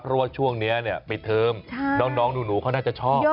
เพราะว่าช่วงนี้ปิดเทอมน้องหนูเขาน่าจะชอบ